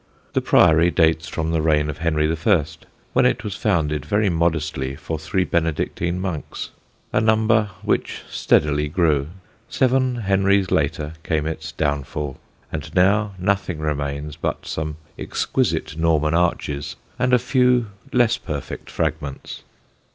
The Priory dates from the reign of Henry I., when it was founded very modestly for three Benedictine monks, a number which steadily grew. Seven Henries later came its downfall, and now nothing remains but some exquisite Norman arches and a few less perfect fragments.